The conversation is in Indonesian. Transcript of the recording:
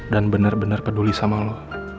dan bener bener peduli sama lo